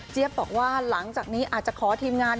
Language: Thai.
บอกว่าหลังจากนี้อาจจะขอทีมงาน